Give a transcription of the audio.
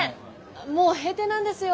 もう閉店なんですよ。